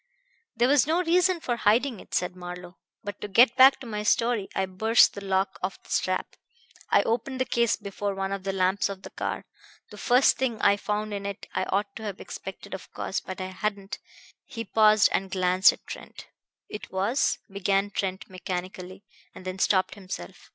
"There was no reason for hiding it," said Marlowe. "But to get back to my story. I burst the lock of the strap. I opened the case before one of the lamps of the car. The first thing I found in it I ought to have expected, of course; but I hadn't." He paused and glanced at Trent. "It was " began Trent mechanically; and then stopped himself.